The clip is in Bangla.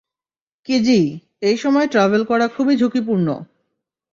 কিজি, এই সময় ট্রাভেল করা খুবই ঝুঁকিপূর্ণ।